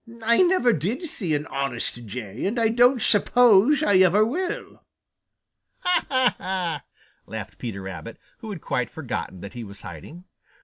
"I never did see an honest Jay, and I don't suppose I ever will." "Ha, ha, ha!" laughed Peter Rabbit, who had quite forgotten that he was hiding.